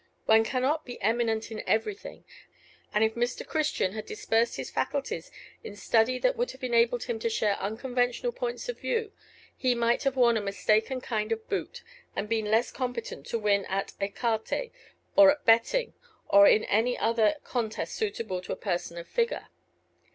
One cannot be eminent in everything; and if Mr. Christian had dispersed his faculties in study that would have enabled him to share unconventional points of view, he might have worn a mistaken kind of boot, and been less competent to win at écarté, or at betting, or in any other contest suitable to a person of figure.